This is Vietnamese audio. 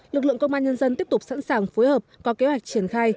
lực lượng công an nhân dân tiếp tục sẵn sàng phối hợp có kế hoạch triển khai